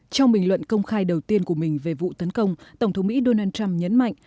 trong bình luận công khai đầu tiên của mình về vụ tấn công tổng thống mỹ donald trump nhấn mạnh